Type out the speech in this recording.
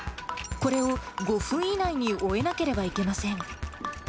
これを５分以内に終えなければいけません。